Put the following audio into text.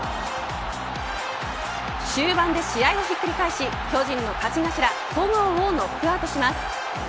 終盤で試合をひっくり返し巨人の戸郷をノックアウトします。